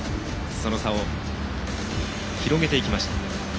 その差を広げていきました。